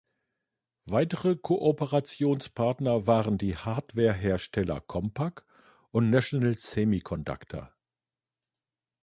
Weitere Kooperationspartner waren die Hardwarehersteller Compaq und National Semiconductor.